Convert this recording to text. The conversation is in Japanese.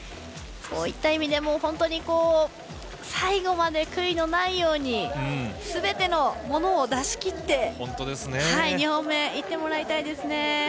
そういった意味でも最後まで悔いのないようにすべてのものを出し切って２本目、いってもらいたいですね。